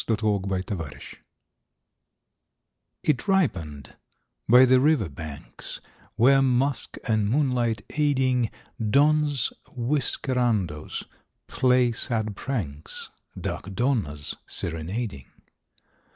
CIRCUMSTANCE THE ORANGE It ripen'd by the river banks, Where, musk and moonlight aiding, Dons Whiskerandos play sad pranks, Dark Donnas serenading.